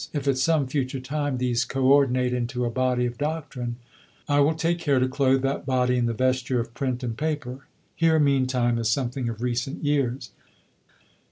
If at some future time these co ordinate into a body of doctrine I will take care to clothe that body in the vesture of print and paper. Here, meantime, is something of recent years.